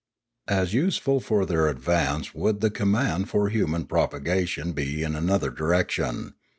As useful for their advance would the command of human propagation be in another direction.